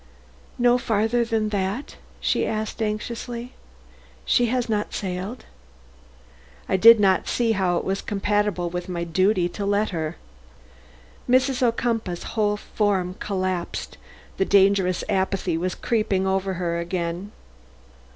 "No farther than that?" she asked anxiously. "She has not sailed?" "I did not see how it was compatible with my duty to let her." Mrs. Ocumpaugh's whole form collapsed; the dangerous apathy was creeping over her again.